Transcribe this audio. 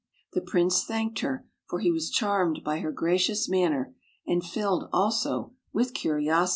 The Prince thanked her, for he was charmed by her gracious manner, and filled, also, with curiosity.